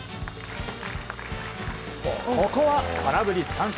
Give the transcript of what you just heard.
ここは空振り三振。